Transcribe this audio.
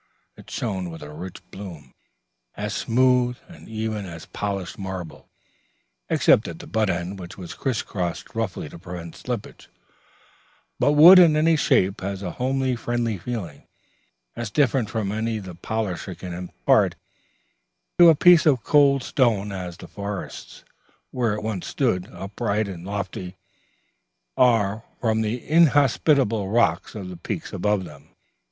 It shone with a rich bloom, as smooth and even as polished marble, except at the butt end which was criss crossed roughly to prevent slipping; but wood in any shape has a homely friendly feeling, as different from any the polisher can impart to a piece of cold stone as the forests, where it once stood, upright and lofty, are from the inhospitable rocks on the peaks above them.